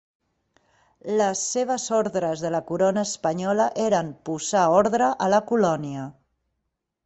Les seves ordres de la Corona espanyola eren posar ordre a la colònia.